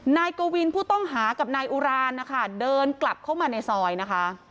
นายกวินผู้ต้องหากับนายอุรานนะคะเดินกลับเข้ามาในซอยนะคะ